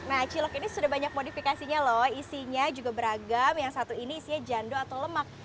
nah cilok ini sudah banyak modifikasinya loh isinya juga beragam yang satu ini isinya jando atau lemak